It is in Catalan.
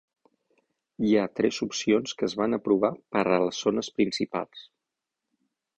Hi ha tres opcions que es van aprovar per a les zones principals.